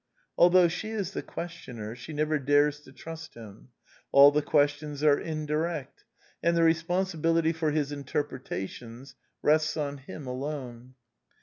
Although she is the questioner, she never dares to trust him: all the questions are indirect; and the responsi bility for his interpretations rests on him alone.